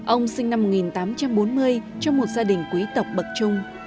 ông sinh năm một nghìn tám trăm bốn mươi trong một gia đình quý tộc bậc trung